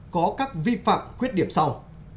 có các vi phạm khuyết điểm sau